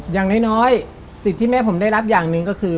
อย่างน้อยสิทธิ์ที่แม่ผมได้รับอย่างหนึ่งก็คือ